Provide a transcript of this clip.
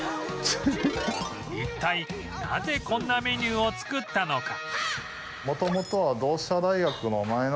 一体なぜこんなメニューを作ったのか？